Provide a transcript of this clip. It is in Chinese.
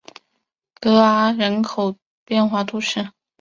戈阿人口变化图示